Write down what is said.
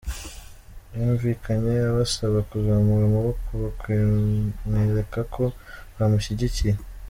Yumvikanye abasaba kuzamura amaboko bakamwereka ko bamushyigikiye.